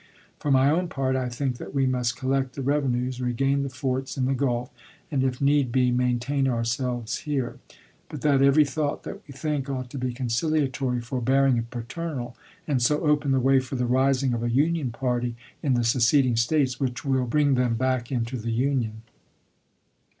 For my own part I think that we must collect the revenues, regain the forts in the Gulf, and if need be maintain ourselves here ; but that every thought that we think ought to be conciliatory, forbearing, and paternal, and so open the way for the rising of a Union party in the seceding States which will bring them back into the Union.